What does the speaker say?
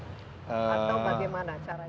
atau bagaimana caranya